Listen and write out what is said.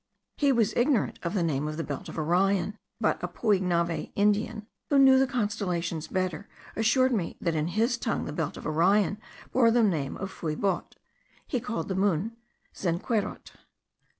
He was ignorant of the name of the belt of Orion; but a Poignave Indian,* who knew the constellations better, assured me that in his tongue the belt of Orion bore the name of Fuebot; he called the moon Zenquerot.